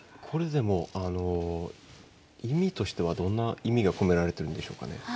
これでも意味としてはどんな意味が込められてるんでしょうかね。